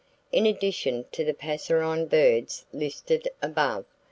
In addition to the passerine birds listed above.